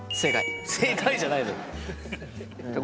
「正解」じゃないのよ。